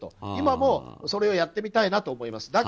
今もそれをやってみたいなと思います。